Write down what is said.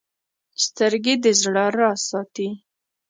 سترګې د زړه راز ساتي